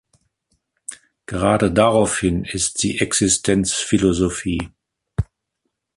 Gerade daraufhin ist sie Existenzphilosophie.